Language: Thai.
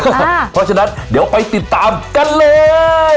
เพราะฉะนั้นเดี๋ยวไปติดตามกันเลย